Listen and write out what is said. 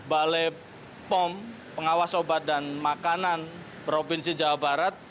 balai pom pengawas obat dan makanan provinsi jawa barat